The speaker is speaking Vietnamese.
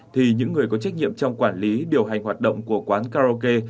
thì những người có trách nhiệm trong quản lý điều hành hoạt động của quán karaoke